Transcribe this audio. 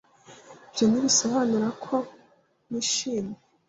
Ibyo ntibisobanura ko ntishimye.